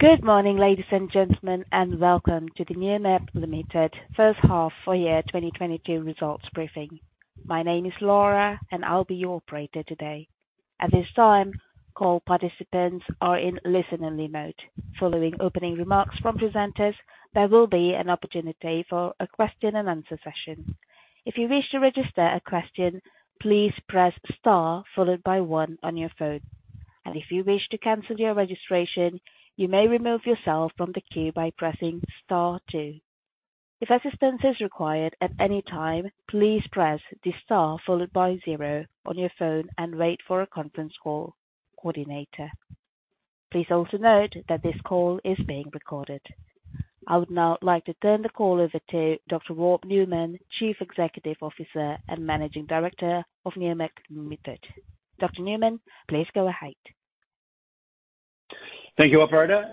Good morning, ladies and gentlemen, and welcome to the Nearmap Ltd First Half for Year 2022 Results Briefing. My name is Laura, and I'll be your operator today. At this time, call participants are in listen only mode. Following opening remarks from presenters, there will be an opportunity for a question and answer session. If you wish to register a question, please press star followed by one on your phone. If you wish to cancel your registration, you may remove yourself from the queue by pressing star two. If assistance is required at any time, please press the star followed by zero on your phone and wait for a conference call coordinator. Please also note that this call is being recorded. I would now like to turn the call over to Dr. Rob Newman, Chief Executive Officer and Managing Director of Nearmap Ltd. Dr. Newman, please go ahead. Thank you, operator.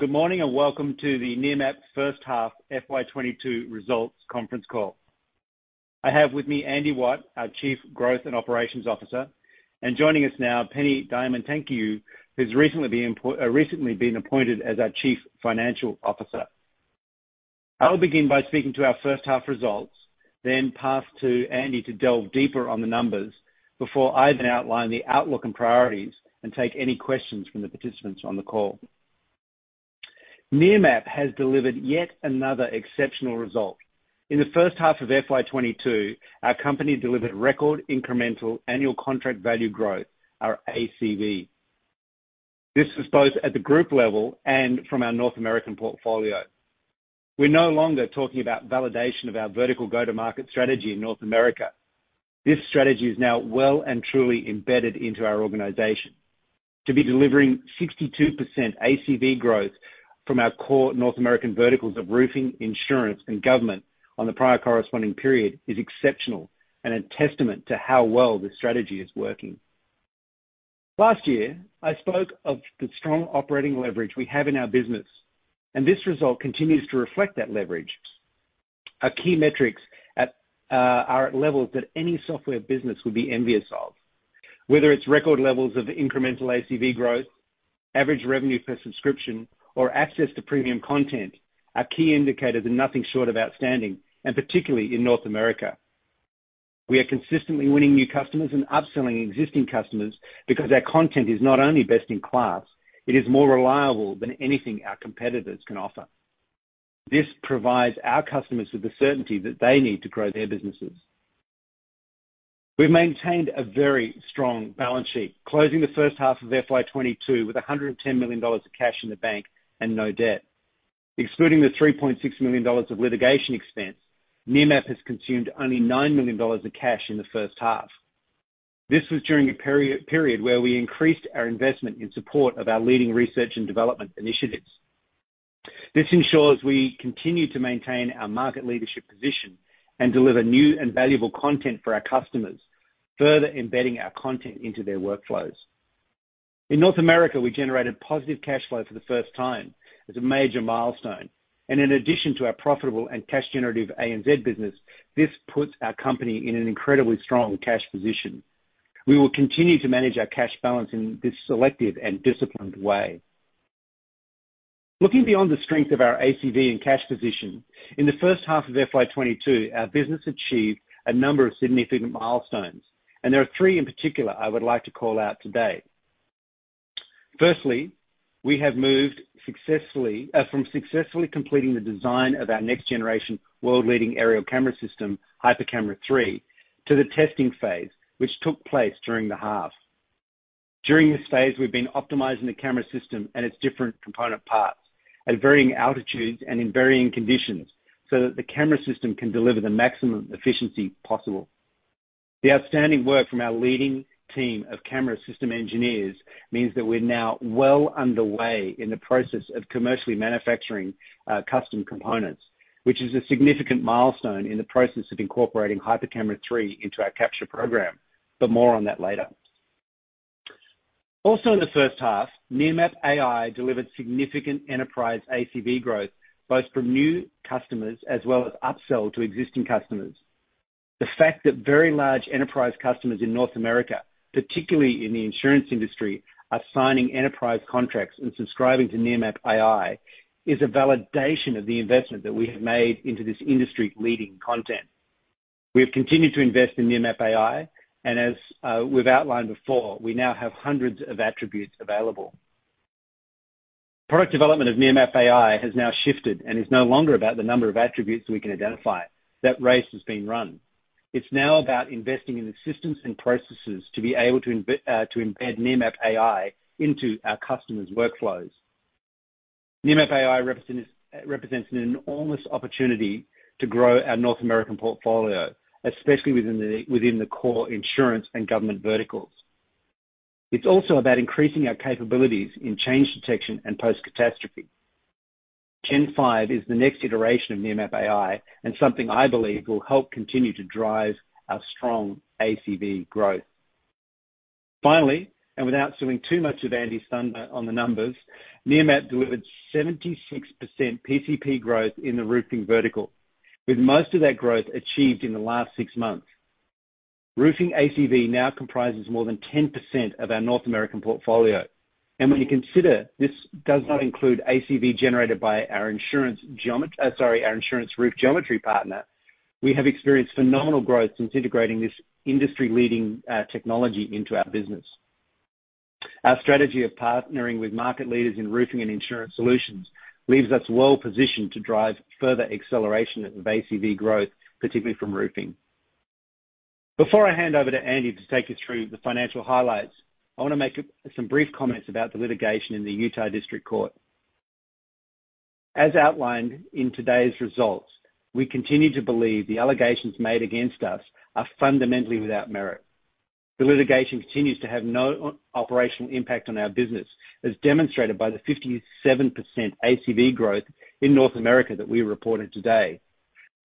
Good morning and welcome to the Nearmap first half FY 2022 results conference call. I have with me Andy Watt, our Chief Growth and Operations Officer. Joining us now, Penny Diamantakiou, who's recently been appointed as our Chief Financial Officer. I'll begin by speaking to our first half results, then pass to Andy to delve deeper on the numbers before I then outline the outlook and priorities and take any questions from the participants on the call. Nearmap has delivered yet another exceptional result. In the first half of FY 2022, our company delivered record incremental annual contract value growth or ACV. This was both at the group level and from our North American portfolio. We're no longer talking about validation of our vertical go-to-market strategy in North America. This strategy is now well and truly embedded into our organization. To be delivering 62% ACV growth from our core North American verticals of roofing, insurance, and government on the prior corresponding period is exceptional and a testament to how well this strategy is working. Last year, I spoke of the strong operating leverage we have in our business, and this result continues to reflect that leverage. Our key metrics are at levels that any software business would be envious of. Whether it's record levels of incremental ACV growth, average revenue per subscription, or access to premium content, our key indicators are nothing short of outstanding, and particularly in North America. We are consistently winning new customers and upselling existing customers because our content is not only best in class, it is more reliable than anything our competitors can offer. This provides our customers with the certainty that they need to grow their businesses. We've maintained a very strong balance sheet, closing the first half of FY 2022 with 110 million dollars of cash in the bank and no debt. Excluding the 3.6 million dollars of litigation expense, Nearmap has consumed only 9 million dollars of cash in the first half. This was during a period where we increased our investment in support of our leading research and development initiatives. This ensures we continue to maintain our market leadership position and deliver new and valuable content for our customers, further embedding our content into their workflows. In North America, we generated positive cash flow for the first time as a major milestone. In addition to our profitable and cash generative ANZ business, this puts our company in an incredibly strong cash position. We will continue to manage our cash balance in this selective and disciplined way. Looking beyond the strength of our ACV and cash position, in the first half of FY 2022, our business achieved a number of significant milestones, and there are three in particular I would like to call out today. First, we have moved successfully from completing the design of our next generation world-leading aerial camera system, HyperCamera 3, to the testing phase, which took place during the half. During this phase, we've been optimizing the camera system and its different component parts at varying altitudes and in varying conditions so that the camera system can deliver the maximum efficiency possible. The outstanding work from our leading team of camera system engineers means that we're now well underway in the process of commercially manufacturing custom components, which is a significant milestone in the process of incorporating HyperCamera 3 into our capture program. More on that later. Also in the first half, Nearmap AI delivered significant enterprise ACV growth, both from new customers as well as upsell to existing customers. The fact that very large enterprise customers in North America, particularly in the insurance industry, are signing enterprise contracts and subscribing to Nearmap AI is a validation of the investment that we have made into this industry-leading content. We have continued to invest in Nearmap AI, and as we've outlined before, we now have hundreds of attributes available. Product development of Nearmap AI has now shifted and is no longer about the number of attributes we can identify. That race has been run. It's now about investing in the systems and processes to be able to embed Nearmap AI into our customers' workflows. Nearmap AI represents an enormous opportunity to grow our North American portfolio, especially within the core insurance and government verticals. It's also about increasing our capabilities in change detection and post-catastrophe. Gen 5 is the next iteration of Nearmap AI and something I believe will help continue to drive our strong ACV growth. Finally, without stealing too much of Andy's thunder on the numbers, Nearmap delivered 76% PCP growth in the roofing vertical, with most of that growth achieved in the last six months. Roofing ACV now comprises more than 10% of our North American portfolio. When you consider this does not include ACV generated by our insurance roof geometry partner, we have experienced phenomenal growth since integrating this industry-leading technology into our business. Our strategy of partnering with market leaders in roofing and insurance solutions leaves us well-positioned to drive further acceleration of ACV growth, particularly from roofing. Before I hand over to Andy to take us through the financial highlights, I wanna make some brief comments about the litigation in the Utah District Court. As outlined in today's results, we continue to believe the allegations made against us are fundamentally without merit. The litigation continues to have no operational impact on our business, as demonstrated by the 57% ACV growth in North America that we reported today.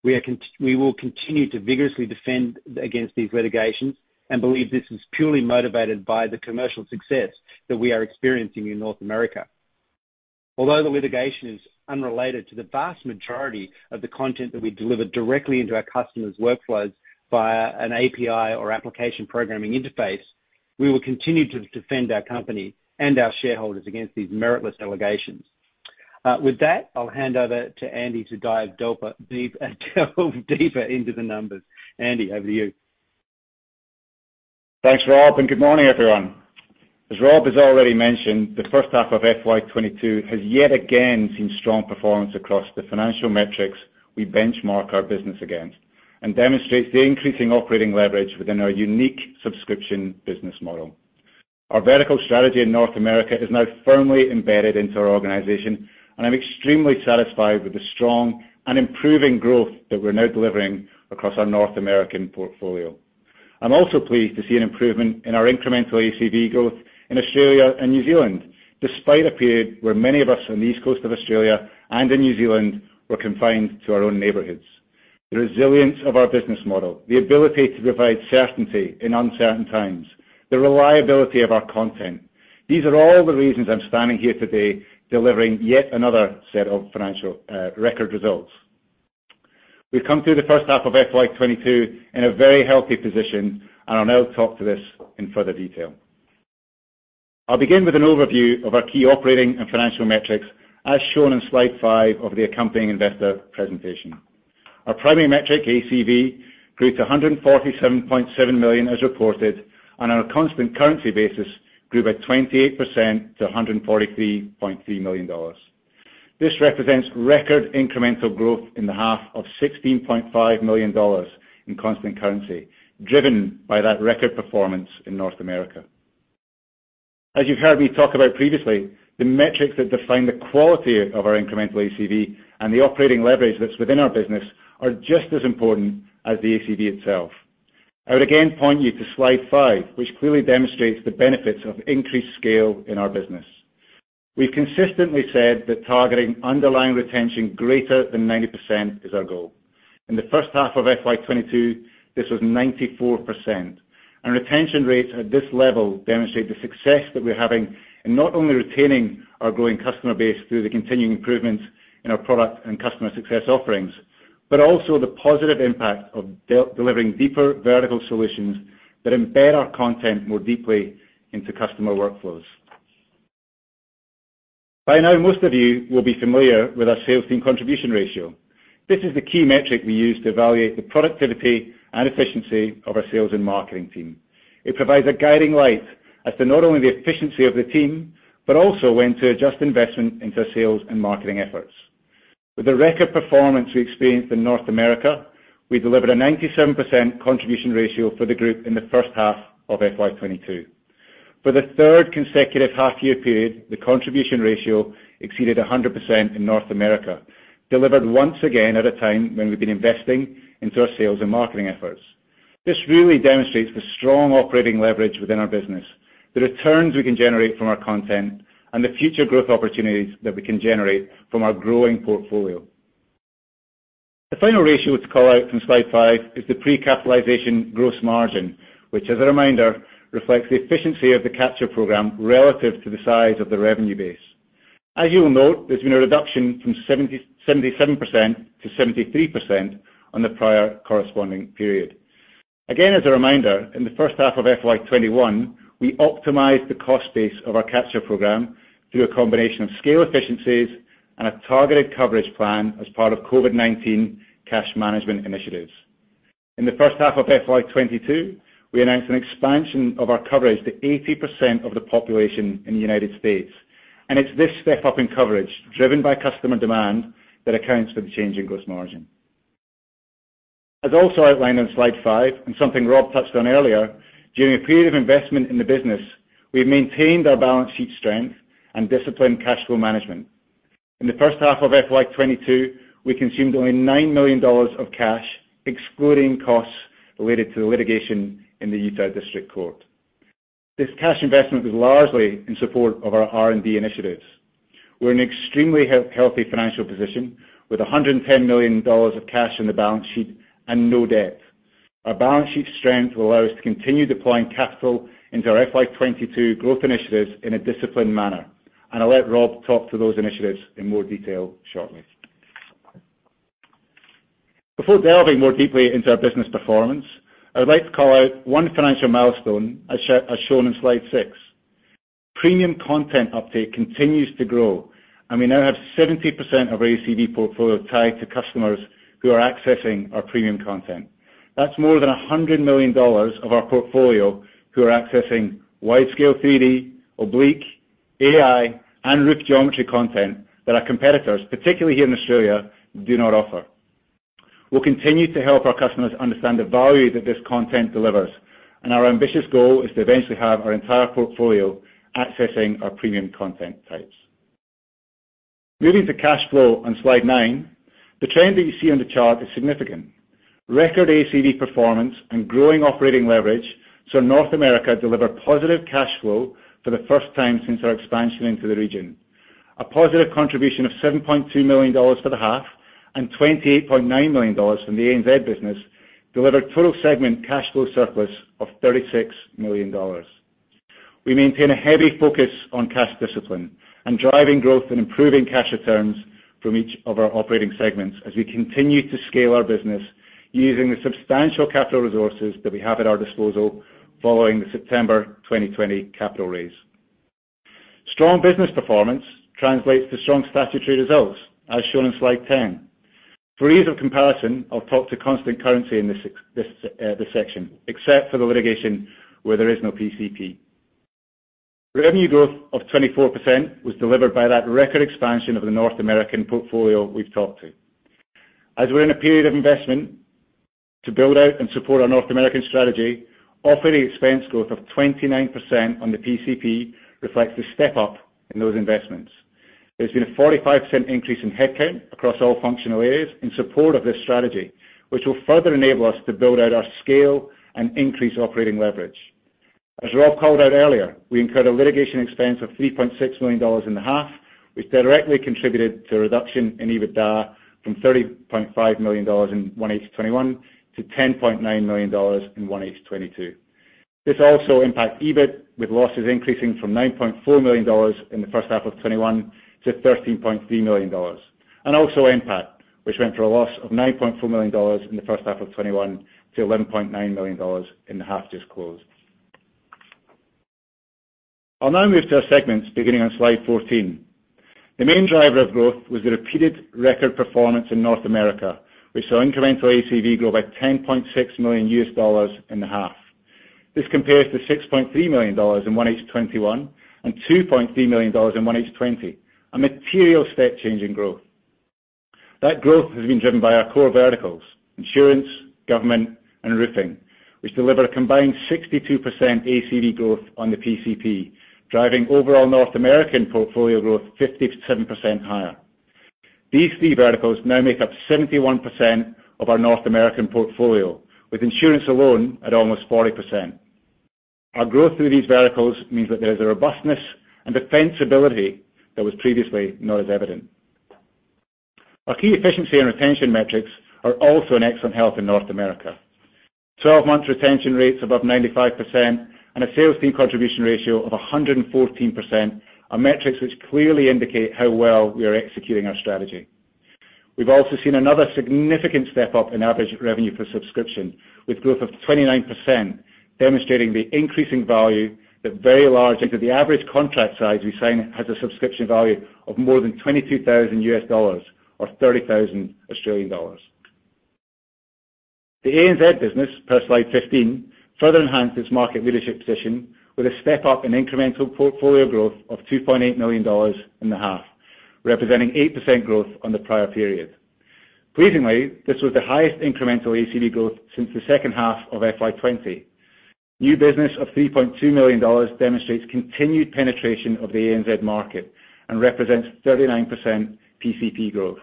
We will continue to vigorously defend against these litigations and believe this is purely motivated by the commercial success that we are experiencing in North America. Although the litigation is unrelated to the vast majority of the content that we deliver directly into our customers' workflows via an API or Application Programming Interface, we will continue to defend our company and our shareholders against these meritless allegations. With that, I'll hand over to Andy to dive deeper into the numbers. Andy, over to you. Thanks, Rob, and good morning, everyone. As Rob has already mentioned, the first half of FY 2022 has yet again seen strong performance across the financial metrics we benchmark our business against, and demonstrates the increasing operating leverage within our unique subscription business model. Our vertical strategy in North America is now firmly embedded into our organization, and I'm extremely satisfied with the strong and improving growth that we're now delivering across our North American portfolio. I'm also pleased to see an improvement in our incremental ACV growth in Australia and New Zealand, despite a period where many of us on the east coast of Australia and in New Zealand were confined to our own neighborhoods. The resilience of our business model, the ability to provide certainty in uncertain times, the reliability of our content, these are all the reasons I'm standing here today delivering yet another set of financial record results. We've come through the first half of FY 2022 in a very healthy position, and I'll now talk to this in further detail. I'll begin with an overview of our key operating and financial metrics as shown on slide five of the accompanying investor presentation. Our primary metric, ACV, grew to 147.7 million as reported, and on a constant currency basis grew by 28% to 143.3 million dollars. This represents record incremental growth in the half of 16.5 million dollars in constant currency, driven by that record performance in North America. As you've heard me talk about previously, the metrics that define the quality of our incremental ACV and the operating leverage that's within our business are just as important as the ACV itself. I would again point you to slide five, which clearly demonstrates the benefits of increased scale in our business. We've consistently said that targeting underlying retention greater than 90% is our goal. In the first half of FY 2022, this was 94%, and retention rates at this level demonstrate the success that we're having in not only retaining our growing customer base through the continuing improvements in our product and customer success offerings, but also the positive impact of delivering deeper vertical solutions that embed our content more deeply into customer workflows. By now, most of you will be familiar with our sales team contribution ratio. This is the key metric we use to evaluate the productivity and efficiency of our sales and marketing team. It provides a guiding light as to not only the efficiency of the team, but also when to adjust investment into our sales and marketing efforts. With the record performance we experienced in North America, we delivered a 97% contribution ratio for the group in the first half of FY 2022. For the third consecutive half-year period, the contribution ratio exceeded 100% in North America, delivered once again at a time when we've been investing into our sales and marketing efforts. This really demonstrates the strong operating leverage within our business, the returns we can generate from our content, and the future growth opportunities that we can generate from our growing portfolio. The final ratio to call out from slide five is the pre-capitalization gross margin, which as a reminder, reflects the efficiency of the capture program relative to the size of the revenue base. As you will note, there's been a reduction from 77%-73% on the prior corresponding period. Again, as a reminder, in the first half of FY 2021, we optimized the cost base of our capture program through a combination of scale efficiencies and a targeted coverage plan as part of COVID-19 cash management initiatives. In the first half of FY 2022, we announced an expansion of our coverage to 80% of the population in the United States. It's this step-up in coverage, driven by customer demand, that accounts for the change in gross margin. As also outlined on slide five, and something Rob touched on earlier, during a period of investment in the business, we've maintained our balance sheet strength and disciplined cash flow management. In the first half of FY 2022, we consumed only 9 million dollars of cash, excluding costs related to the litigation in the Utah District Court. This cash investment was largely in support of our R&D initiatives. We're in extremely healthy financial position with 110 million dollars of cash in the balance sheet and no debt. Our balance sheet strength will allow us to continue deploying capital into our FY 2022 growth initiatives in a disciplined manner, and I'll let Rob talk to those initiatives in more detail shortly. Before delving more deeply into our business performance, I would like to call out one financial milestone as shown in slide six. Premium content uptake continues to grow, and we now have 70% of our ACV portfolio tied to customers who are accessing our premium content. That's more than 100 million dollars of our portfolio who are accessing widescale 3D, oblique, AI, and roof geometry content that our competitors, particularly here in Australia, do not offer. We'll continue to help our customers understand the value that this content delivers, and our ambitious goal is to eventually have our entire portfolio accessing our premium content types. Moving to cash flow on slide nine, the trend that you see on the chart is significant. Record ACV performance and growing operating leverage saw North America deliver positive cash flow for the first time since our expansion into the region. A positive contribution of 7.2 million dollars for the half and 28.9 million dollars from the ANZ business delivered total segment cash flow surplus of 36 million dollars. We maintain a heavy focus on cash discipline and driving growth and improving cash returns from each of our operating segments as we continue to scale our business using the substantial capital resources that we have at our disposal following the September 2020 capital raise. Strong business performance translates to strong statutory results, as shown in slide 10. For ease of comparison, I'll talk to constant currency in this section, except for the litigation where there is no PCP. Revenue growth of 24% was delivered by that record expansion of the North American portfolio we've talked to. As we're in a period of investment to build out and support our North American strategy, operating expense growth of 29% on the PCP reflects the step-up in those investments. There's been a 45% increase in headcount across all functional areas in support of this strategy, which will further enable us to build out our scale and increase operating leverage. As Rob called out earlier, we incurred a litigation expense of 3.6 million dollars in the half, which directly contributed to a reduction in EBITDA from 30.5 million dollars in 1H 2021 to 10.9 million dollars in 1H 2022. This also impacts EBIT, with losses increasing from 9.4 million dollars in the first half of 2021 to 13.3 million dollars. Also NPAT, which went through a loss of 9.4 million dollars in the first half of 2021 to 11.9 million dollars in the half just closed. I'll now move to our segments beginning on slide 14. The main driver of growth was the repeated record performance in North America. We saw incremental ACV grow by $10.6 million in the half. This compares to $6.3 million in 1H 2021 and $2.3 million in 1H 2020, a material step change in growth. That growth has been driven by our core verticals, insurance, government, and roofing, which deliver a combined 62% ACV growth on the PCP, driving overall North American portfolio growth 57% higher. These three verticals now make up 71% of our North American portfolio, with insurance alone at almost 40%. Our growth through these verticals means that there is a robustness and defensibility that was previously not as evident. Our key efficiency and retention metrics are also in excellent health in North America. 12-month retention rates above 95% and a Sales Team Contribution Ratio of 114% are metrics which clearly indicate how well we are executing our strategy. We've also seen another significant step-up in average revenue per subscription, with growth of 29%, demonstrating the increasing value. The average contract size we sign has a subscription value of more than $22,000 US dollars or 30,000 Australian dollars. The ANZ business, per slide 15, further enhanced its market leadership position with a step-up in incremental portfolio growth of 2.8 million dollars in the half, representing 8% growth on the prior period. Pleasingly, this was the highest incremental ACV growth since the second half of FY 2020. New business of 3.2 million dollars demonstrates continued penetration of the ANZ market and represents 39% PCP growth.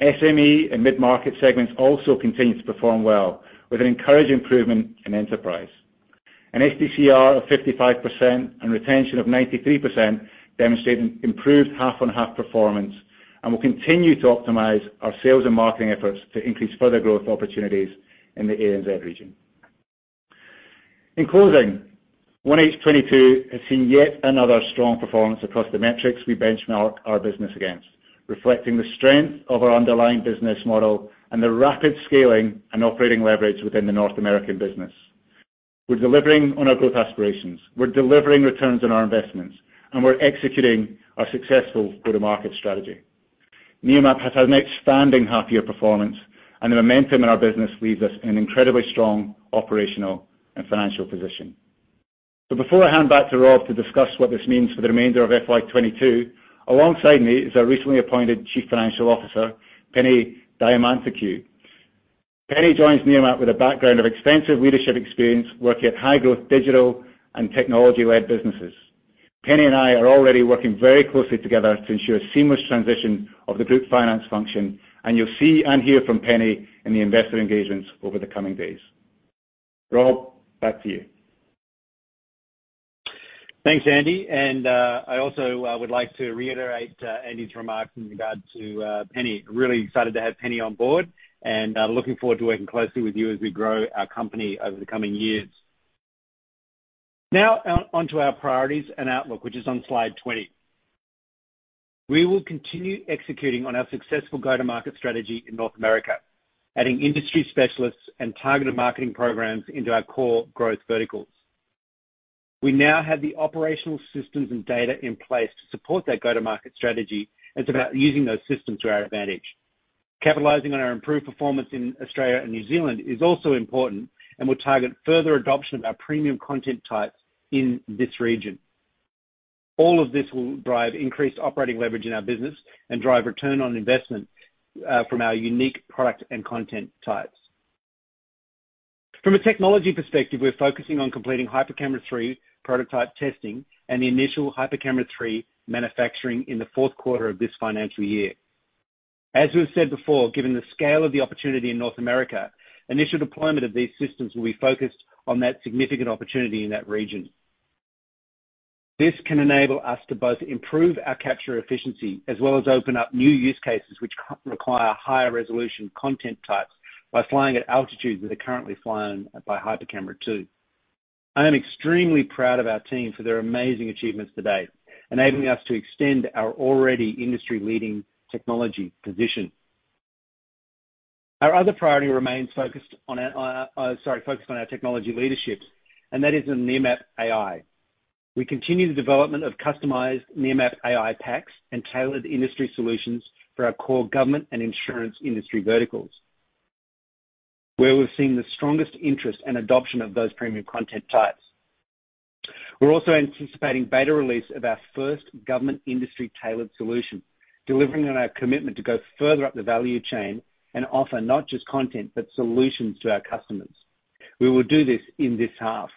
SME and mid-market segments also continue to perform well with an encouraging improvement in enterprise. An STCR of 55% and retention of 93% demonstrate an improved half-on-half performance and will continue to optimize our sales and marketing efforts to increase further growth opportunities in the ANZ region. In closing, 1H 2022 has seen yet another strong performance across the metrics we benchmark our business against, reflecting the strength of our underlying business model and the rapid scaling and operating leverage within the North American business. We're delivering on our growth aspirations, we're delivering returns on our investments, and we're executing our successful go-to-market strategy. Nearmap has had an outstanding half-year performance, and the momentum in our business leaves us in an incredibly strong operational and financial position. Before I hand back to Rob to discuss what this means for the remainder of FY 2022, alongside me is our recently appointed Chief Financial Officer, Penny Diamantakiou. Penny joins Nearmap with a background of extensive leadership experience working at high-growth digital and technology-led businesses. Penny and I are already working very closely together to ensure a seamless transition of the group finance function, and you'll see and hear from Penny in the investor engagements over the coming days. Rob, back to you. Thanks, Andy. I also would like to reiterate Andy's remarks in regard to Penny. Really excited to have Penny on board, and looking forward to working closely with you as we grow our company over the coming years. On to our priorities and outlook, which is on slide 20. We will continue executing on our successful go-to-market strategy in North America, adding industry specialists and targeted marketing programs into our core growth verticals. We now have the operational systems and data in place to support that go-to-market strategy. It's about using those systems to our advantage. Capitalizing on our improved performance in Australia and New Zealand is also important, and we target further adoption of our premium content types in this region. All of this will drive increased operating leverage in our business and drive return on investment from our unique product and content types. From a technology perspective, we're focusing on completing HyperCamera 3 prototype testing and the initial HyperCamera 3 manufacturing in the Q4 of this financial year. As we've said before, given the scale of the opportunity in North America, initial deployment of these systems will be focused on that significant opportunity in that region. This can enable us to both improve our capture efficiency as well as open up new use cases which require higher resolution content types by flying at altitudes that are currently flown by HyperCamera 2. I am extremely proud of our team for their amazing achievements to date, enabling us to extend our already industry-leading technology position. Our other priority remains focused on our technology leadership, and that is in Nearmap AI. We continue the development of customized Nearmap AI packs and tailored industry solutions for our core government and insurance industry verticals, where we're seeing the strongest interest and adoption of those premium content types. We're also anticipating beta release of our first government industry-tailored solution, delivering on our commitment to go further up the value chain and offer not just content, but solutions to our customers. We will do this in this half.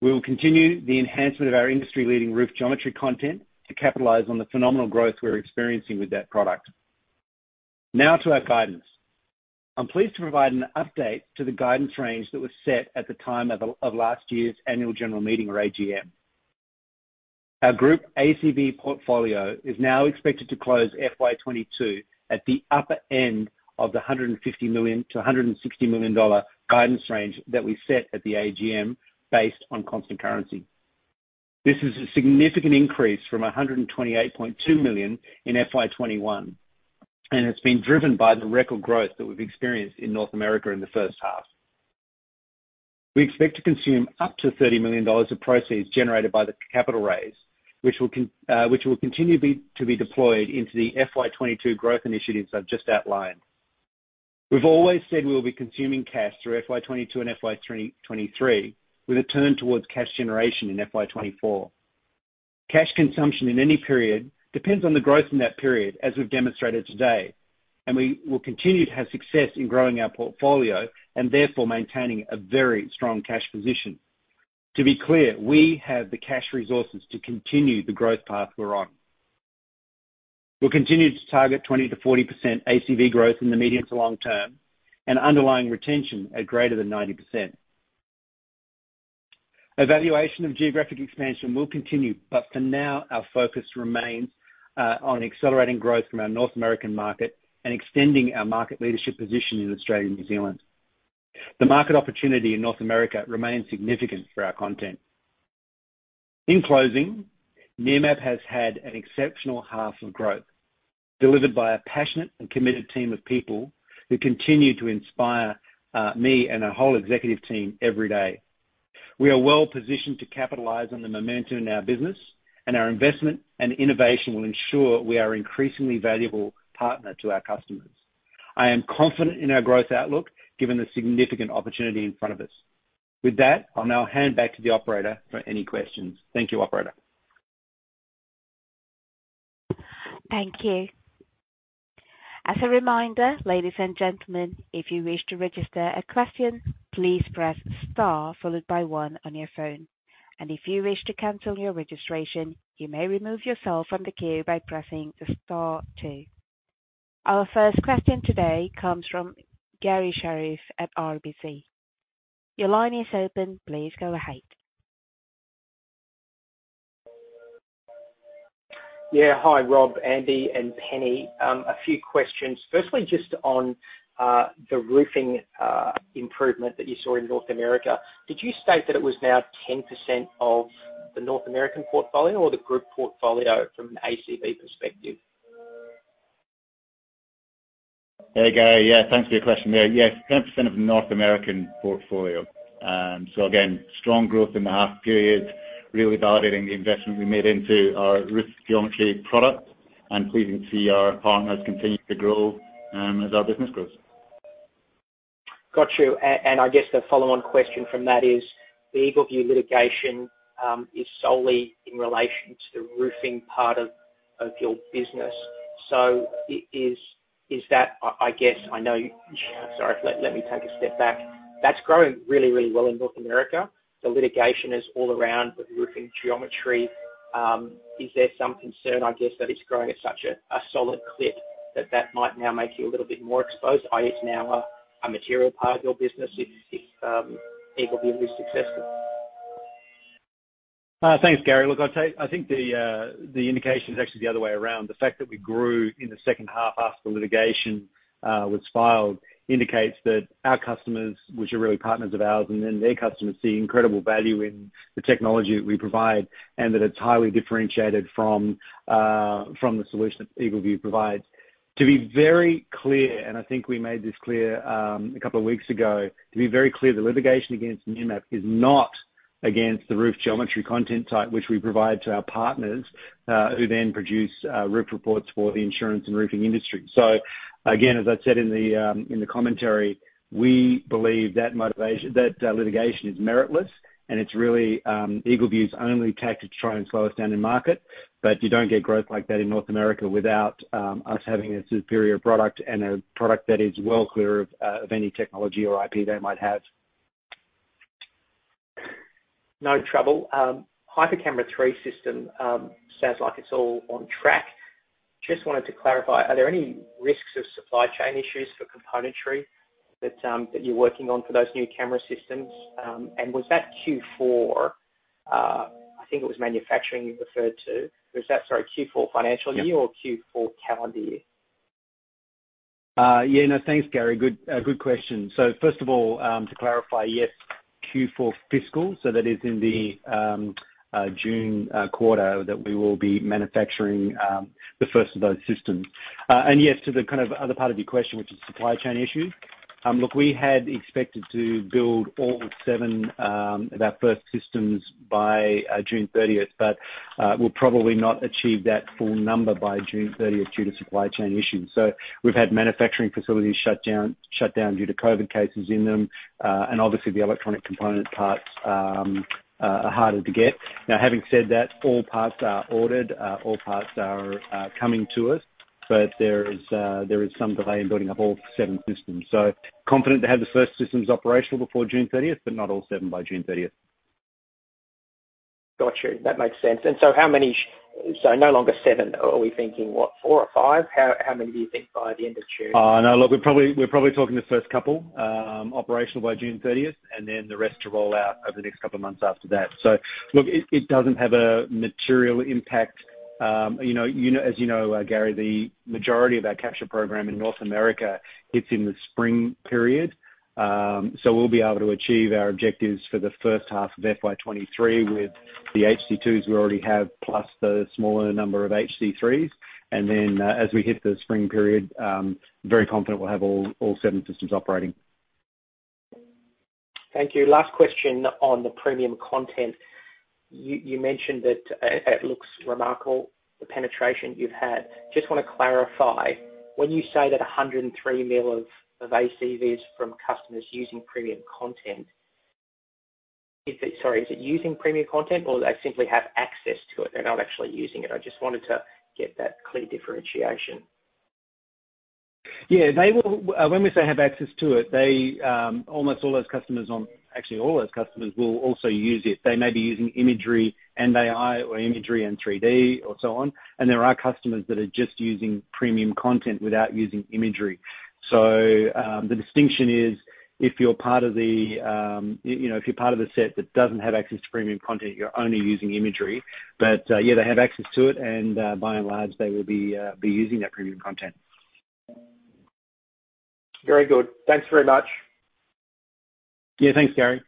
We will continue the enhancement of our industry-leading roof geometry content to capitalize on the phenomenal growth we're experiencing with that product. Now to our guidance. I'm pleased to provide an update to the guidance range that was set at the time of last year's annual general meeting or AGM. Our group ACV portfolio is now expected to close FY 2022 at the upper end of the 150 million-160 million dollar guidance range that we set at the AGM based on constant currency. This is a significant increase from 128.2 million in FY 2021, and it's been driven by the record growth that we've experienced in North America in the first half. We expect to consume up to 30 million dollars of proceeds generated by the capital raise, which will continue to be deployed into the FY 2022 growth initiatives I've just outlined. We've always said we will be consuming cash through FY 2022 and FY 2023, with a turn towards cash generation in FY 2024. Cash consumption in any period depends on the growth in that period, as we've demonstrated today, and we will continue to have success in growing our portfolio and therefore maintaining a very strong cash position. To be clear, we have the cash resources to continue the growth path we're on. We'll continue to target 20%-40% ACV growth in the medium to long term and underlying retention at greater than 90%. Evaluation of geographic expansion will continue, but for now, our focus remains on accelerating growth from our North American market and extending our market leadership position in Australia and New Zealand. The market opportunity in North America remains significant for our content. In closing, Nearmap has had an exceptional half of growth, delivered by a passionate and committed team of people who continue to inspire me and our whole executive team every day. We are well-positioned to capitalize on the momentum in our business, and our investment and innovation will ensure we are increasingly valuable partner to our customers. I am confident in our growth outlook given the significant opportunity in front of us. With that, I'll now hand back to the operator for any questions. Thank you, operator. Thank you. As a reminder, ladies and gentlemen, if you wish to register a question, please press star followed by one on your phone. If you wish to cancel your registration, you may remove yourself from the queue by pressing star two. Our first question today comes from Garry Sherriff at RBC. Your line is open. Please go ahead. Hi, Rob, Andy, and Penny. A few questions. Firstly, just on the roofing improvement that you saw in North America. Did you state that it was now 10% of the North American portfolio or the group portfolio from an ACV perspective? Hey, Gary. Yeah, thanks for your question there. Yes, 10% of the North American portfolio. So again, strong growth in the half period, really validating the investment we made into our roof geometry product and pleasing to see our partners continue to grow, as our business grows. Got you. I guess the follow-on question from that is, the EagleView litigation is solely in relation to the roofing part of your business. Is that, I guess I know. Sorry, let me take a step back. That's growing really well in North America. The litigation is all around the roofing geometry. Is there some concern, I guess, that it's growing at such a solid clip that that might now make you a little bit more exposed, i.e., it's now a material part of your business if EagleView is successful? Thanks, Garry. Look, I'd say I think the indication is actually the other way around. The fact that we grew in the second half after the litigation was filed indicates that our customers, which are really partners of ours, and then their customers see incredible value in the technology that we provide, and that it's highly differentiated from the solution that EagleView provides. To be very clear, and I think we made this clear, a couple of weeks ago, to be very clear, the litigation against Nearmap is not against the roof geometry content type, which we provide to our partners who then produce roof reports for the insurance and roofing industry. Again, as I said in the commentary, we believe the litigation is meritless, and it's really EagleView's only tactic to try and slow us down in market. You don't get growth like that in North America without us having a superior product and a product that is well clear of any technology or IP they might have. No trouble. HyperCamera 3 system sounds like it's all on track. Just wanted to clarify, are there any risks of supply chain issues for componentry that you're working on for those new camera systems? Was that Q4? I think it was manufacturing you referred to. Was that, sorry, Q4 financial year or. Yeah. Q4 calendar year? Yeah. No. Thanks, Garry. Good question. First of all, to clarify, yes, Q4 fiscal, so that is in the June quarter that we will be manufacturing the first of those systems. Yes, to the kind of other part of your question, which is supply chain issues. Look, we had expected to build all seven of our first systems by June 30th, but we'll probably not achieve that full number by June 30th due to supply chain issues. We've had manufacturing facilities shut down due to COVID cases in them. Obviously the electronic component parts are harder to get. Now, having said that, all parts are ordered, all parts are coming to us. There is some delay in building up all seven systems. Confident to have the first systems operational before June 30th, but not all seven by June 30th. Got you. That makes sense. How many? No longer seven. Are we thinking, what, four or five? How many do you think by the end of June? Oh, no, look, we're probably talking the first couple operational by June 30th, and then the rest to roll out over the next couple of months after that. Look, it doesn't have a material impact. You know, as you know, Garry, the majority of our capture program in North America hits in the spring period. We'll be able to achieve our objectives for the first half of FY 2023 with the HC2s we already have, plus the smaller number of HC3s. As we hit the spring period, very confident we'll have all seven systems operating. Thank you. Last question on the premium content. You mentioned that it looks remarkable, the penetration you've had. Just wanna clarify, when you say that 103 million of ACVs from customers using premium content, sorry, is it using premium content or they simply have access to it, they're not actually using it? I just wanted to get that clear differentiation. Yeah. They will when we say have access to it, they almost all those customers on, actually all those customers will also use it. They may be using imagery and AI or imagery and 3D or so on. There are customers that are just using premium content without using imagery. The distinction is if you're part of the, you know, if you're part of the set that doesn't have access to premium content, you're only using imagery. Yeah, they have access to it, and by and large, they will be using that premium content. Very good. Thanks very much. Yeah, thanks, Garry.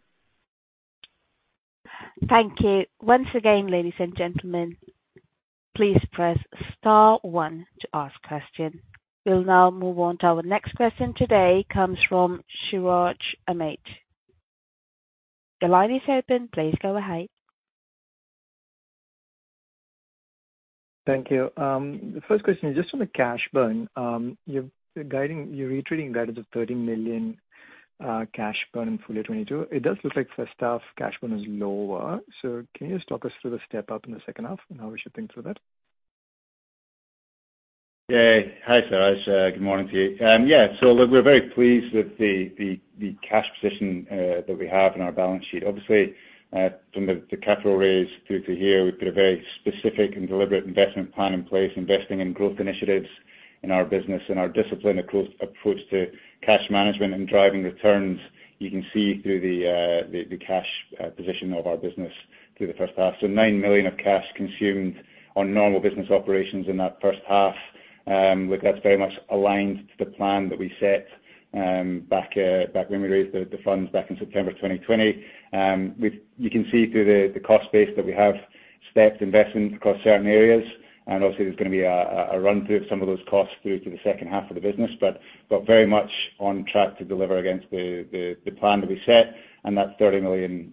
Thank you. Once again, ladies and gentlemen, please press star one to ask question. We'll now move on to our next question today comes from Suraj Amit. The line is open. Please go ahead. Thank you. The first question is just on the cash burn. You're retreating guidance of 13 million cash burn in FY 2022. It does look like first half cash burn is lower. Can you just talk us through the step-up in the second half and how we should think through that? Yeah. Hi, Suraj. Good morning to you. Yeah. Look, we're very pleased with the cash position that we have in our balance sheet. Obviously, from the capital raise through to here, we've got a very specific and deliberate investment plan in place, investing in growth initiatives in our business and our disciplined approach to cash management and driving returns. You can see through the cash position of our business through the first half. 9 million of cash consumed on normal business operations in that first half. Look, that's very much aligned to the plan that we set back when we raised the funds back in September 2020. You can see through the cost base that we have stepped investments across certain areas, and obviously there's gonna be a run-through of some of those costs through to the second half of the business. Very much on track to deliver against the plan that we set. That 30 million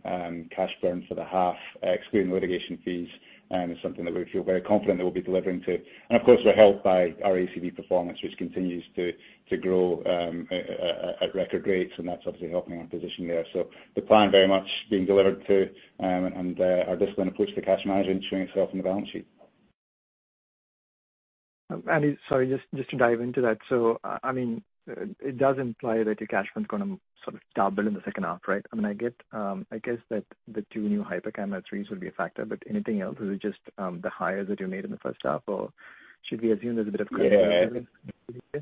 cash burn for the half, excluding litigation fees, is something that we feel very confident that we'll be delivering to. Of course, we're helped by our ACV performance, which continues to grow at record rates, and that's obviously helping our position there. The plan very much being delivered to, and our disciplined approach to cash management showing itself in the balance sheet. Andy, sorry, just to dive into that. I mean, it does imply that your cash burn's gonna sort of double in the second half, right? I mean, I get, I guess that the two new HyperCamera 3s will be a factor. Anything else, is it just the hires that you made in the first half, or should we assume there's a bit of. Yeah.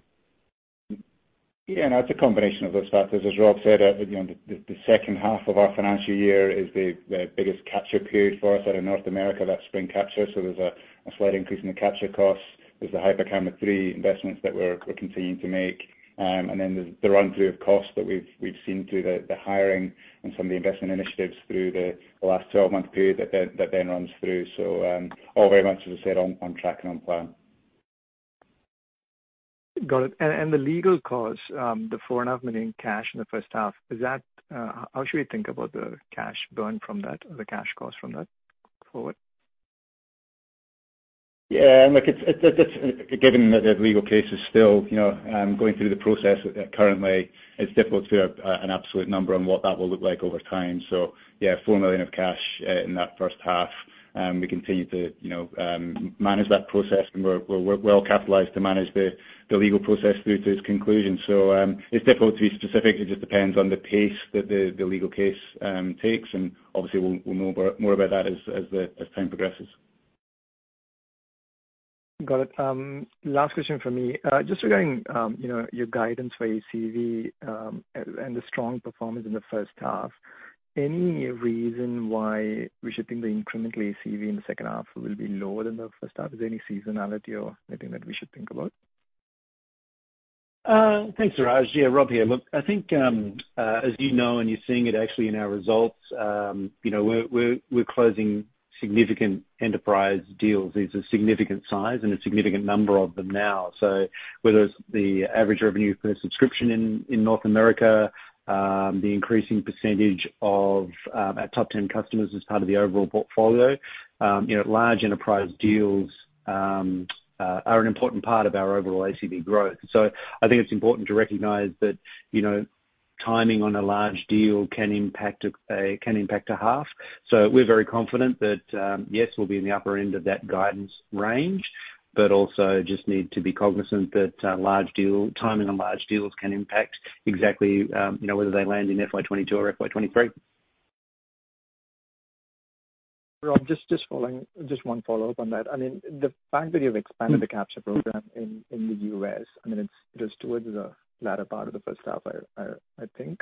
Yeah, no, it's a combination of those factors. As Rob said, you know, the second half of our financial year is the biggest capture period for us out of North America, that's spring capture. There's a slight increase in the capture costs. There's the HyperCamera 3 investments that we're continuing to make. There's the run through of costs that we've seen through the hiring and some of the investment initiatives through the last 12-month period that then runs through. All very much, as I said, on track and on plan. Got it. The legal costs, the 4.5 Million cash in the first half, is that. How should we think about the cash burn from that or the cash costs from that forward? Yeah. Look, it's given that the legal case is still, you know, going through the process currently. It's difficult to give an absolute number on what that will look like over time. Yeah, 4 million in cash in that first half. We continue to, you know, manage that process, and we're well capitalized to manage the legal process through to its conclusion. It's difficult to be specific. It just depends on the pace that the legal case takes, and obviously, we'll know more about that as time progresses. Got it. Last question from me. Just regarding, you know, your guidance for ACV, and the strong performance in the first half, any reason why we should think the incremental ACV in the second half will be lower than the first half? Is there any seasonality or anything that we should think about? Thanks, Raj. Yeah, Rob here. Look, I think, as you know, and you're seeing it actually in our results, you know, we're closing significant enterprise deals. These are significant size and a significant number of them now. Whether it's the average revenue per subscription in North America, the increasing percentage of our top ten customers as part of the overall portfolio, you know, large enterprise deals are an important part of our overall ACV growth. I think it's important to recognize that, you know, timing on a large deal can impact a half. We're very confident that yes, we'll be in the upper end of that guidance range, but also just need to be cognizant that large deal timing on large deals can impact exactly you know whether they land in FY 2022 or FY 2023. Rob, just one follow-up on that. I mean, the fact that you've expanded the capture program in the U.S., I mean, it's just towards the latter part of the first half, I think.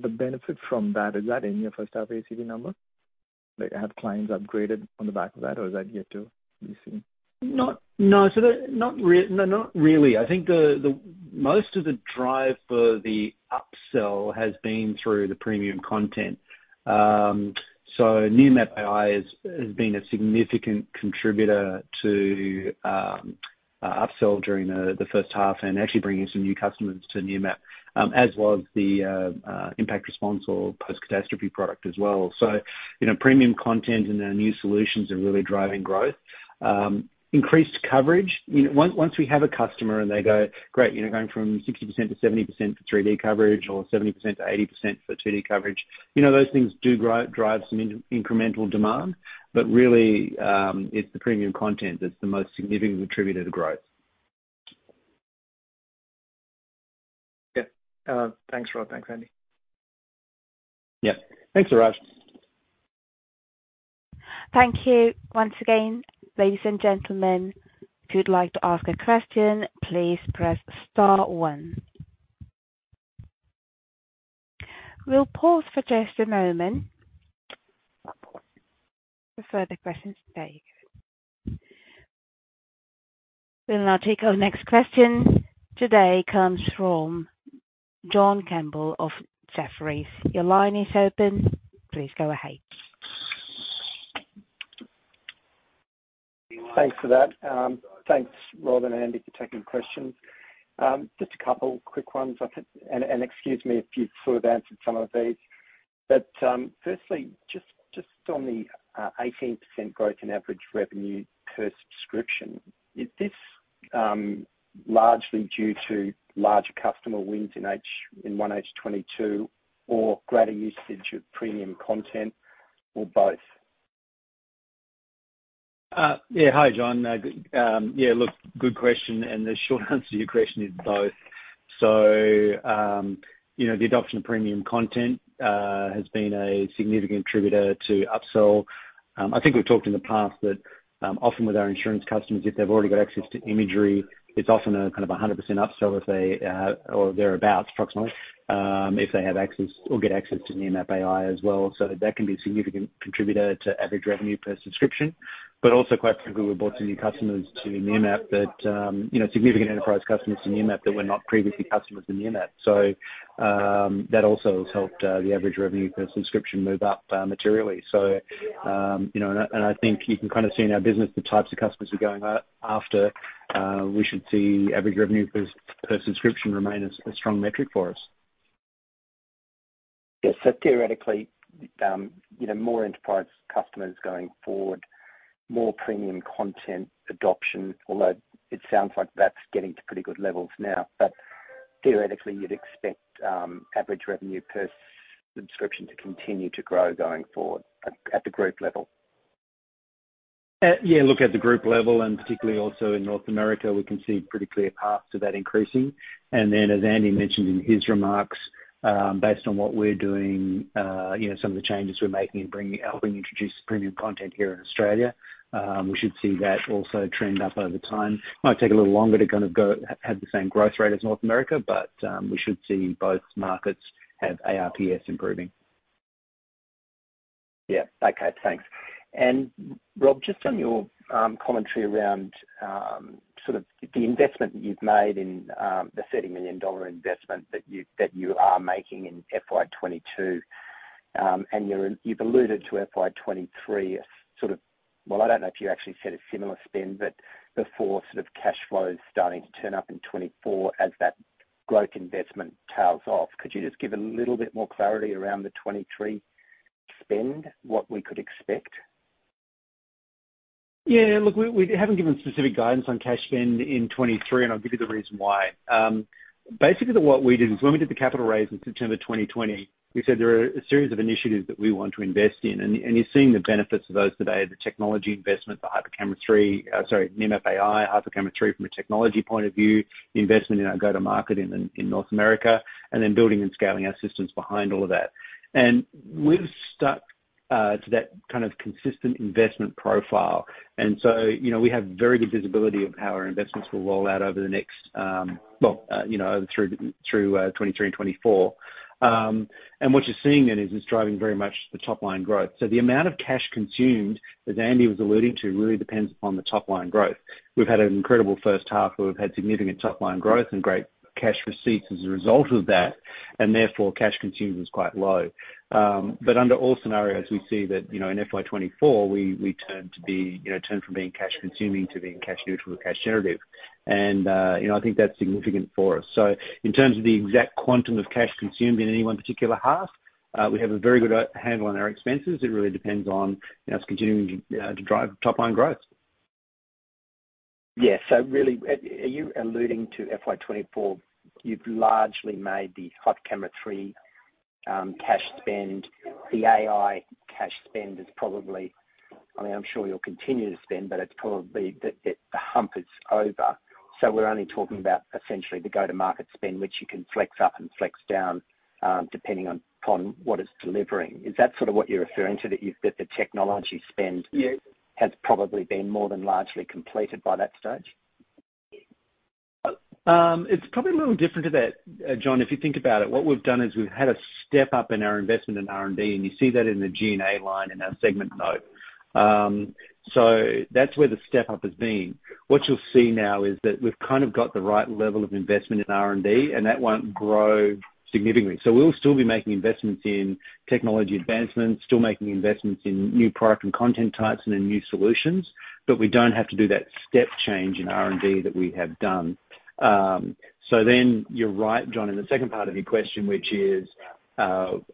The benefit from that, is that in your first half ACV number? Like, have clients upgraded on the back of that or is that yet to be seen? No, not really. I think the most of the drive for the upsell has been through the premium content. So Nearmap AI has been a significant contributor to upsell during the first half and actually bringing some new customers to Nearmap, as well as the ImpactResponse or post-catastrophe product as well. You know, premium content and our new solutions are really driving growth. Increased coverage, you know, once we have a customer and they go, "Great," you know, going from 60%-70% for three-day coverage or 70%-80% for two-day coverage, you know, those things do drive some incremental demand. But really, it's the premium content that's the most significant contributor to growth. Yeah. Thanks, Rob. Thanks, Andy. Yeah. Thanks, Suraj. Thank you once again, ladies and gentlemen. If you'd like to ask a question, please press star one. We'll pause for just a moment for further questions to be taken. We'll now take our next question. Today comes from John Campbell of Jefferies. Your line is open. Please go ahead. Thanks for that. Thanks, Rob and Andy, for taking the questions. Just a couple quick ones I think. Excuse me if you sort of answered some of these. Firstly, just on the 18% growth in average revenue per subscription, is this largely due to larger customer wins in 1H 2022 or greater usage of premium content or both? Hi, John. Yeah. Look, good question. The short answer to your question is both. You know, the adoption of premium content has been a significant contributor to upsell. I think we've talked in the past that often with our insurance customers, if they've already got access to imagery, it's often a kind of 100% upsell if they or thereabouts approximately if they have access or get access to Nearmap AI as well. That can be a significant contributor to Average Revenue per Subscription. But also quite simply, we brought some new customers to Nearmap that, you know, significant enterprise customers to Nearmap that were not previously customers of Nearmap. That also has helped the Average Revenue per Subscription move up materially. You know, and I think you can kinda see in our business the types of customers we're going after. We should see average revenue per subscription remain a strong metric for us. Yeah. Theoretically, you know, more enterprise customers going forward, more premium content adoption, although it sounds like that's getting to pretty good levels now. Theoretically, you'd expect average revenue per subscription to continue to grow going forward at the group level. Yeah, look, at the group level, and particularly also in North America, we can see pretty clear path to that increasing. As Andy mentioned in his remarks, based on what we're doing, you know, some of the changes we're making in helping introduce premium content here in Australia, we should see that also trend up over time. Might take a little longer to have the same growth rate as North America, but we should see both markets have ARPS improving. Yeah. Okay, thanks. Rob, just on your commentary around sort of the investment that you've made in the 30 million dollar investment that you are making in FY 2022. You've alluded to FY 2023 as sort of. Well, I don't know if you actually said a similar spend, but before sort of cash flows starting to turn up in 2024 as that growth investment tails off. Could you just give a little bit more clarity around the 2023 spend, what we could expect? Yeah. Look, we haven't given specific guidance on cash spend in 2023, and I'll give you the reason why. Basically what we did is when we did the capital raise in September 2020, we said there are a series of initiatives that we want to invest in, and you're seeing the benefits of those today. The technology investment, the HyperCamera 3, Nearmap AI, HyperCamera 3 from a technology point of view, the investment in our go-to-market in North America, and then building and scaling our systems behind all of that. We've stuck to that kind of consistent investment profile. You know, we have very good visibility of how our investments will roll out over the next, you know, through 2023 and 2024. What you're seeing then is it's driving very much the top-line growth. The amount of cash consumed, as Andy was alluding to, really depends upon the top-line growth. We've had an incredible first half where we've had significant top-line growth and great cash receipts as a result of that, and therefore, cash consumed was quite low. Under all scenarios, we see that, you know, in FY 2024, we turn from being cash consuming to being cash neutral or cash generative. You know, I think that's significant for us. In terms of the exact quantum of cash consumed in any one particular half, we have a very good handle on our expenses. It really depends on, you know, us continuing to drive top-line growth. Yeah. Really, are you alluding to FY 2024? You've largely made the HyperCamera 3 cash spend. The AI cash spend is probably. I mean, I'm sure you'll continue to spend, but it's probably the hump is over. We're only talking about essentially the go-to-market spend, which you can flex up and flex down, depending on what it's delivering. Is that sort of what you're referring to? That the technology spend. Yeah. Has probably been more than largely completed by that stage? It's probably a little different to that, John. If you think about it, what we've done is we've had a step up in our investment in R&D, and you see that in the G&A line in our segment note. That's where the step up has been. What you'll see now is that we've kind of got the right level of investment in R&D, and that won't grow significantly. We'll still be making investments in technology advancements, still making investments in new product and content types and in new solutions, but we don't have to do that step change in R&D that we have done. You're right, John, in the second part of your question, which is,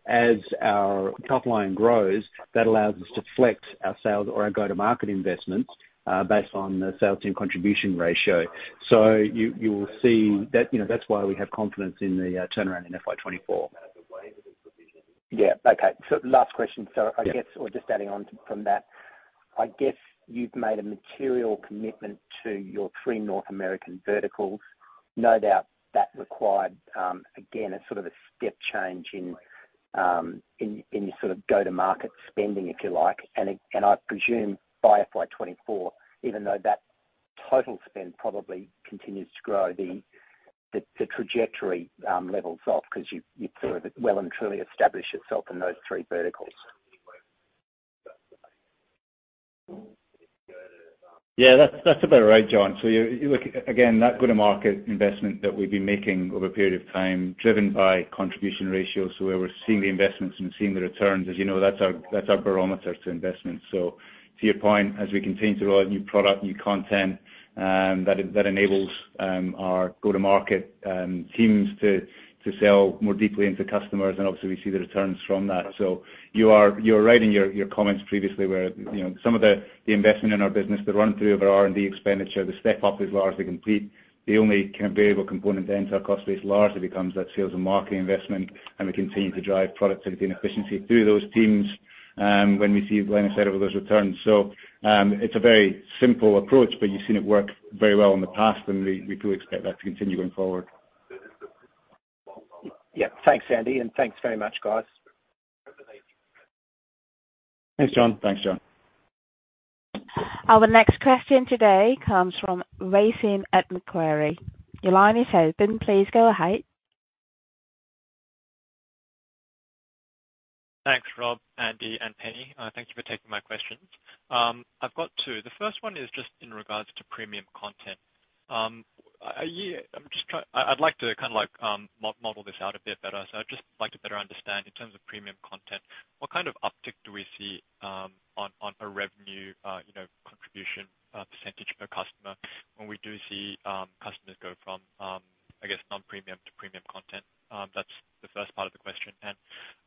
as our top line grows, that allows us to flex our sales or our go-to-market investments, based on the Sales Team Contribution Ratio. You will see that. You know, that's why we have confidence in the turnaround in FY 2024. Yeah. Okay. Last question. Yeah. I guess or just adding on from that, I guess you've made a material commitment to your three North American verticals. No doubt that required, again, a sort of a step change in your sort of go-to-market spending, if you like. I presume by FY 2024, even though that total spend probably continues to grow, the trajectory levels off 'cause you've sort of well and truly established yourself in those three verticals. Yeah, that's about right, John. You look, again, that go-to-market investment that we've been making over a period of time, driven by contribution ratios. Where we're seeing the investments and seeing the returns, as you know, that's our barometer to investment. To your point, as we continue to roll out new product, new content, that enables our go-to-market teams to sell more deeply into customers, and obviously, we see the returns from that. You are right in your comments previously where, you know, some of the investment in our business, the run through of our R&D expenditure, the step-up is largely complete. The only key variable component then to our cost base largely becomes that sales and marketing investment, and we continue to drive productivity and efficiency through those teams, when we see Glenn instead of all those returns. It's a very simple approach, but you've seen it work very well in the past, and we do expect that to continue going forward. Yeah. Thanks, Andy, and thanks very much, guys. Thanks, John. Thanks, John. Our next question today comes from Wei Sim at Macquarie. Your line is open. Please go ahead. Thanks, Rob, Andy, and Penny. Thank you for taking my questions. I've got two. The first one is just in regards to premium content. I'm just trying. I'd like to kind of like model this out a bit better. I'd just like to better understand, in terms of premium content, what kind of uptick do we see on a revenue you know contribution percentage per customer when we do see customers go from I guess non-premium to premium content? That's the first part of the question.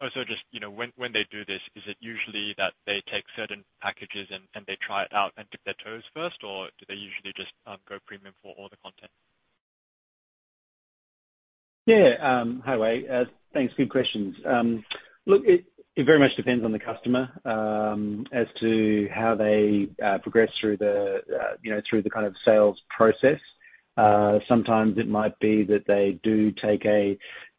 Also just, you know, when they do this, is it usually that they take certain packages and they try it out and dip their toes first, or do they usually just go premium for all the content? Yeah. Hi, Wei. Thanks. Good questions. Look, it very much depends on the customer as to how they progress through you know, through the kind of sales process. Sometimes it might be that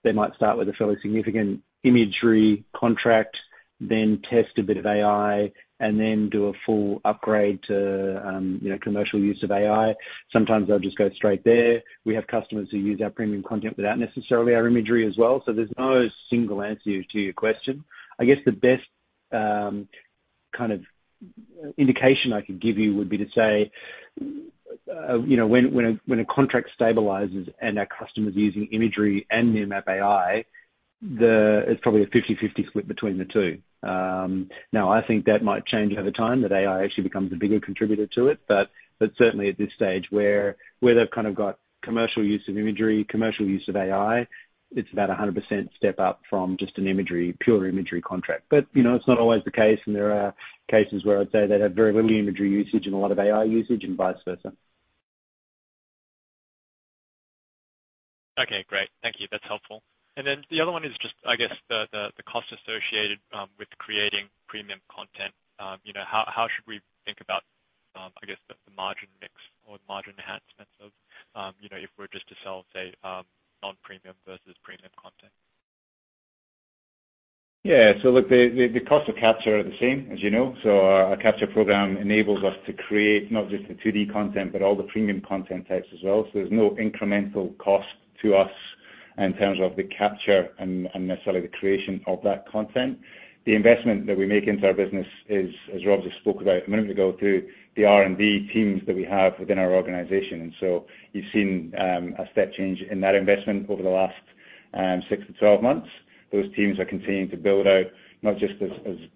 they might start with a fairly significant imagery contract, then test a bit of AI, and then do a full upgrade to you know, commercial use of AI. Sometimes they'll just go straight there. We have customers who use our premium content without necessarily our imagery as well. There's no single answer to your question. I guess the best kind of indication I could give you would be to say you know, when a contract stabilizes and our customer's using imagery and Nearmap AI, it's probably a 50/50 split between the two. Now I think that might change over time, that AI actually becomes a bigger contributor to it. Certainly at this stage where they've kind of got commercial use of imagery, commercial use of AI, it's about a 100% step up from just an imagery, pure imagery contract. You know, it's not always the case, and there are cases where I'd say they'd have very little imagery usage and a lot of AI usage and vice versa. Okay, great. Thank you. That's helpful. The other one is just, I guess the cost associated with creating premium content. You know, how should we think about, I guess the margin mix or the margin enhancements of, you know, if we're just to sell, say, non-premium versus premium content? Yeah. Look, the cost of capture are the same, as you know. Our capture program enables us to create not just the 2D content but all the premium content types as well. There's no incremental cost to us in terms of the capture and necessarily the creation of that content. The investment that we make into our business is, as Rob just spoke about a minute ago, through the R&D teams that we have within our organization. You've seen a step change in that investment over the last 6-12 months. Those teams are continuing to build out not just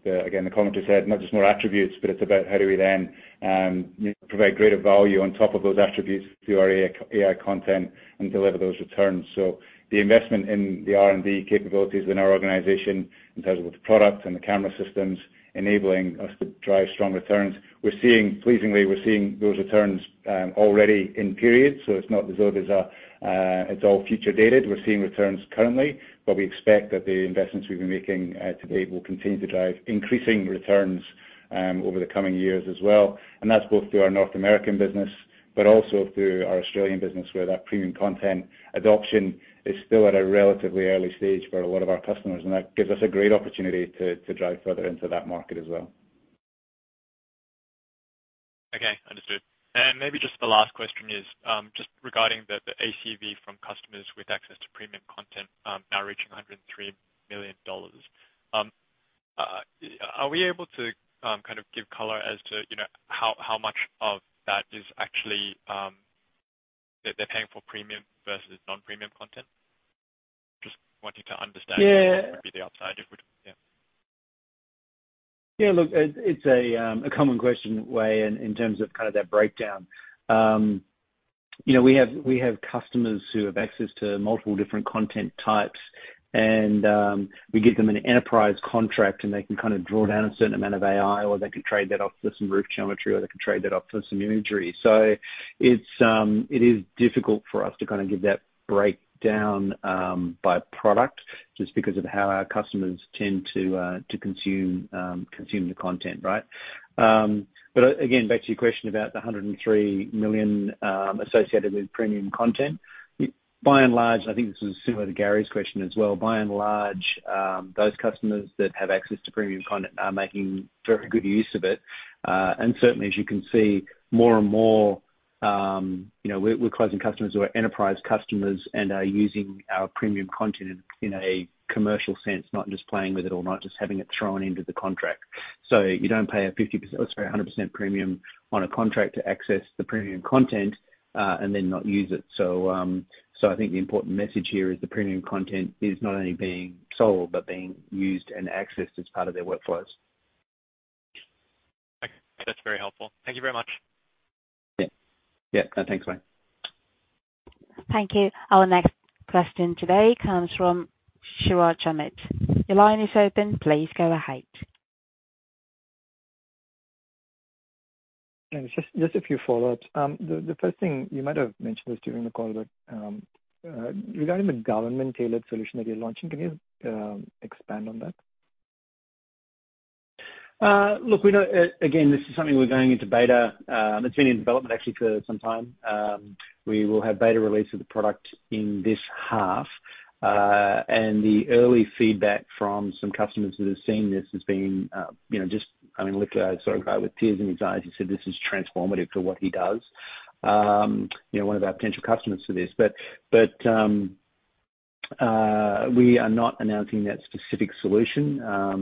again the commenter said, not just more attributes, but it's about how do we then provide greater value on top of those attributes through our AI content and deliver those returns. The investment in the R&D capabilities in our organization in terms of the product and the camera systems enabling us to drive strong returns. Pleasingly, we're seeing those returns already in periods, so it's not as though it's all future dated. We're seeing returns currently, but we expect that the investments we've been making to date will continue to drive increasing returns over the coming years as well. That's both through our North American business, but also through our Australian business where that premium content adoption is still at a relatively early stage for a lot of our customers. That gives us a great opportunity to drive further into that market as well. Okay. Understood. Maybe just the last question is just regarding the ACV from customers with access to premium content now reaching 103 million dollars. Are we able to kind of give color as to, you know, how much of that is actually that they're paying for premium versus non-premium content? Just wanting to understand. Yeah. Maybe the upside, if we yeah. Yeah. Look, it's a common question, Wei, in terms of that breakdown. You know, we have customers who have access to multiple different content types and we give them an enterprise contract, and they can kinda draw down a certain amount of AI, or they can trade that off for some roof geometry, or they can trade that off for some imagery. So it is difficult for us to kinda give that breakdown by product just because of how our customers tend to consume the content, right? But again, back to your question about the 103 million associated with premium content. By and large, I think this is similar to Gary's question as well. By and large, those customers that have access to premium content are making very good use of it. Certainly, as you can see more and more, you know, we're closing customers who are enterprise customers and are using our premium content in a commercial sense, not just playing with it or not just having it thrown into the contract. You don't pay a 100% premium on a contract to access the premium content, and then not use it. I think the important message here is the premium content is not only being sold but being used and accessed as part of their workflows. Okay. That's very helpful. Thank you very much. Yeah. Yeah. No, thanks, Wei. Thank you. Our next question today comes from Suraj Amit. Your line is open. Please go ahead. Just a few follow-ups. The first thing you might have mentioned this during the call, but regarding the government-tailored solution that you're launching, can you expand on that? Look, again, this is something we're going into beta. It's been in development actually for some time. We will have beta release of the product in this half. The early feedback from some customers that have seen this has been, you know, just. I mean, literally, I saw a guy with tears in his eyes. He said this is transformative to what he does, you know, one of our potential customers for this. But we are not announcing that specific solution.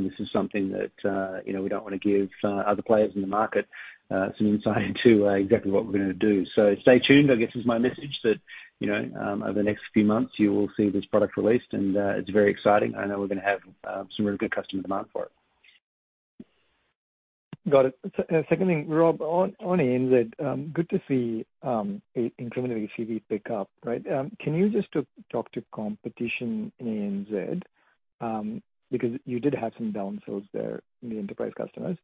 This is something that, you know, we don't wanna give other players in the market some insight into exactly what we're gonna do. Stay tuned, I guess, is my message that, you know, over the next few months, you will see this product released, and it's very exciting. I know we're gonna have some really good customer demand for it. Got it. Second thing, Rob, on ANZ, good to see a incremental ACV pick up, right? Can you just talk to competition in ANZ? Because you did have some down sales there in the enterprise customers.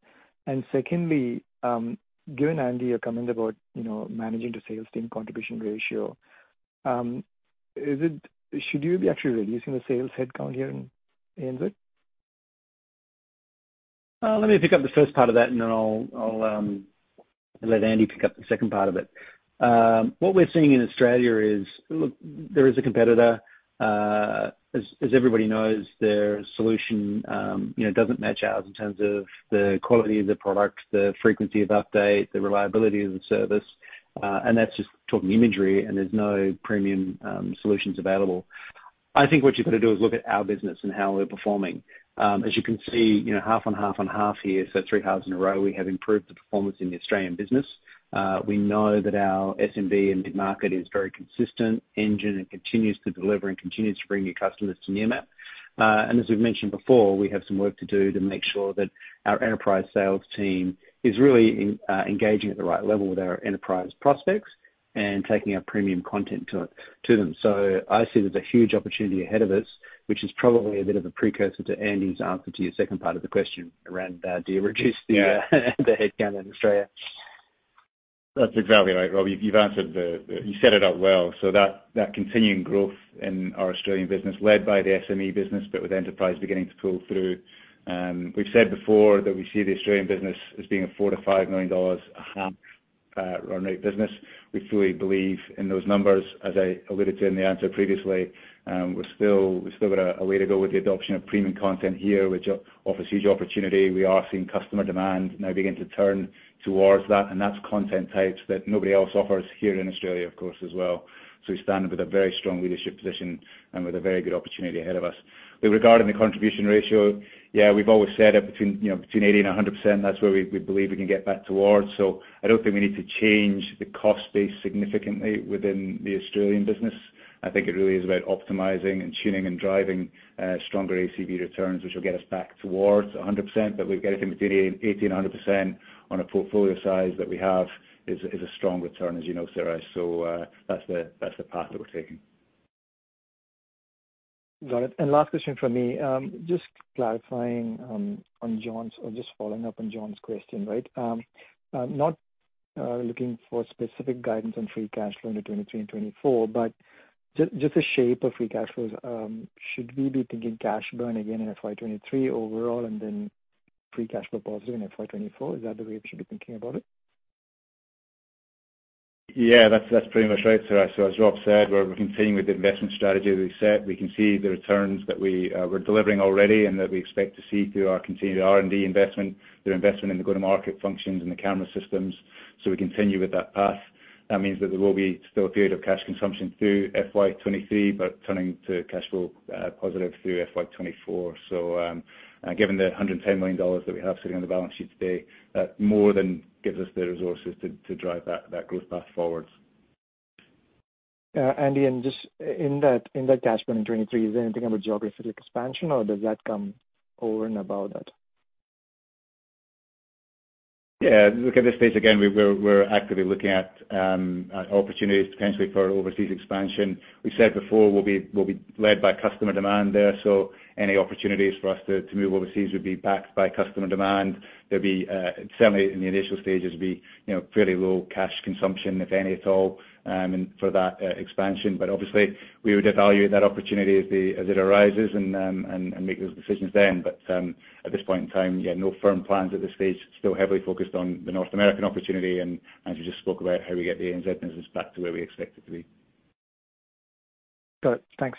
Secondly, given Andy, your comment about, you know, managing the sales team contribution ratio, should you be actually reducing the sales headcount here in ANZ? Let me pick up the first part of that, and then I'll let Andy pick up the second part of it. What we're seeing in Australia is, look, there is a competitor. As everybody knows, their solution, you know, doesn't match ours in terms of the quality of the product, the frequency of update, the reliability of the service, and that's just talking imagery, and there's no premium solutions available. I think what you've got to do is look at our business and how we're performing. As you can see, you know, half on half on half here, so three halves in a row, we have improved the performance in the Australian business. We know that our SMB and mid-market is very consistent engine and continues to deliver and continues to bring new customers to Nearmap. As we've mentioned before, we have some work to do to make sure that our enterprise sales team is really engaging at the right level with our enterprise prospects and taking our premium content to them. I see there's a huge opportunity ahead of us, which is probably a bit of a precursor to Andy's answer to your second part of the question around do you reduce the. Yeah. The headcount in Australia. That's exactly right, Rob. You've answered. You set it up well, so that continuing growth in our Australian business led by the SME business, but with enterprise beginning to pull through. We've said before that we see the Australian business as being a 4 million-5 million dollars a half run rate business. We fully believe in those numbers. As I alluded to in the answer previously, we've still got a way to go with the adoption of premium content here, which offers huge opportunity. We are seeing customer demand now begin to turn towards that, and that's content types that nobody else offers here in Australia, of course, as well. We stand with a very strong leadership position and with a very good opportunity ahead of us. Regarding the contribution ratio, yeah, we've always said between, you know, between 80% and 100%, that's where we believe we can get back towards. I don't think we need to change the cost base significantly within the Australian business. I think it really is about optimizing and tuning and driving stronger ACV returns, which will get us back towards 100%. We get anything between 80% and 100% on a portfolio size that we have is a strong return, as you know, Suraj. That's the path that we're taking. Got it. Last question from me. Just following up on John's question, right? Not looking for specific guidance on free cash flow into 2023 and 2024, but just the shape of free cash flows. Should we be thinking cash burn again in FY 2023 overall and then free cash flow positive in FY 2024? Is that the way we should be thinking about it? Yeah, that's pretty much right, Suraj. As Rob said, we're continuing with the investment strategy that we set. We can see the returns that we're delivering already and that we expect to see through our continued R&D investment, the investment in the go-to-market functions and the camera systems. We continue with that path. That means that there will be still a period of cash consumption through FY 2023, but turning cash flow positive through FY 2024. Given the 110 million dollars that we have sitting on the balance sheet today, that more than gives us the resources to drive that growth path forward. Andy Watt, just in that cash burn in 2023, is there anything about geographic expansion or does that come over and above that? Yeah, look, at this stage again, we're actively looking at opportunities potentially for overseas expansion. We said before, we'll be led by customer demand there. Any opportunities for us to move overseas would be backed by customer demand. There'll be certainly in the initial stages, you know, fairly low cash consumption, if any at all, for that expansion. Obviously, we would evaluate that opportunity as it arises and make those decisions then. At this point in time, yeah, no firm plans at this stage, still heavily focused on the North American opportunity and as we just spoke about how we get the ANZ business back to where we expect it to be. Got it. Thanks.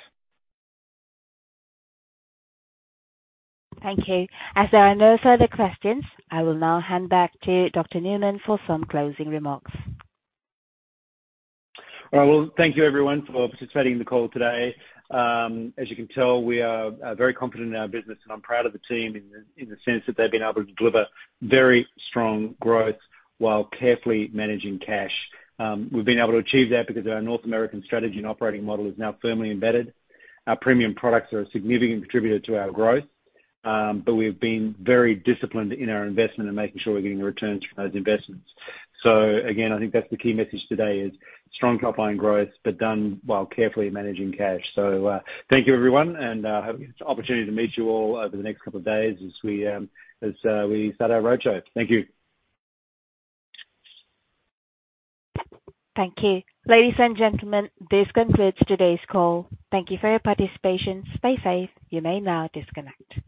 Thank you. As there are no further questions, I will now hand back to Dr. Newman for some closing remarks. All right. Well, thank you everyone for participating in the call today. As you can tell, we are very confident in our business, and I'm proud of the team in the sense that they've been able to deliver very strong growth while carefully managing cash. We've been able to achieve that because of our North American strategy and operating model is now firmly embedded. Our premium products are a significant contributor to our growth, but we've been very disciplined in our investment and making sure we're getting the returns from those investments. Again, I think that's the key message today is strong top line growth, but done while carefully managing cash. Thank you everyone and hoping to get the opportunity to meet you all over the next couple of days as we start our roadshow. Thank you. Thank you. Ladies and gentlemen, this concludes today's call. Thank you for your participation. Stay safe. You may now disconnect.